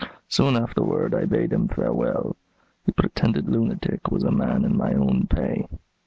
Soon afterward I bade him farewell. The pretended lunatic was a man in my own pay."